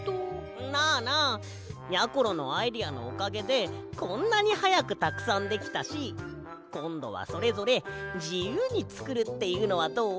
なあなあやころのアイデアのおかげでこんなにはやくたくさんできたしこんどはそれぞれじゆうにつくるっていうのはどう？